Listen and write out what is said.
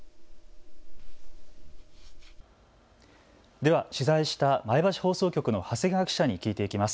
では、取材した前橋放送局の長谷川記者に聞いていきます。